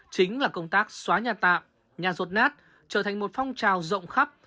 chính là công tác xóa nhà tạm nhà rột nát trở thành một phong trào rộng khắp